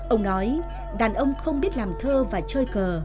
ông nói đàn ông không biết làm thơ và chơi cờ